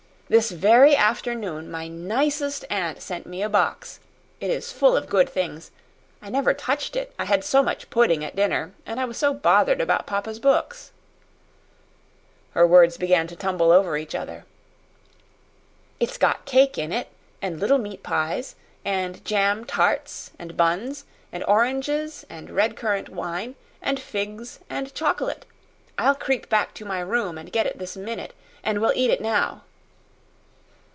"This very afternoon my nicest aunt sent me a box. It is full of good things. I never touched it, I had so much pudding at dinner, and I was so bothered about papa's books." Her words began to tumble over each other. "It's got cake in it, and little meat pies, and jam tarts and buns, and oranges and red currant wine, and figs and chocolate. I'll creep back to my room and get it this minute, and we'll eat it now."